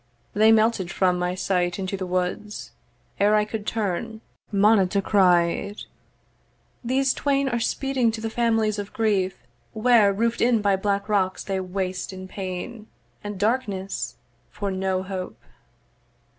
They melted from my sight into the woods; Ere I could turn, Moneta cried, 'These twain 'Are speeding to the families of grief, 'Where roof'd in by black rocks they waste, in pain 'And darkness, for no hope.'